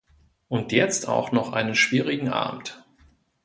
Und jetzt auch noch einen schwierigen Abend.